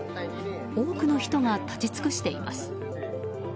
多くの人が立ち尽くしています。